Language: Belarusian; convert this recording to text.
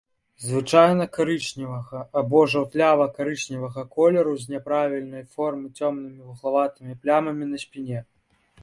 Звычайна карычневага або жаўтлява-карычневага колеру з няправільнай формы цёмнымі вуглаватымі плямамі на спіне.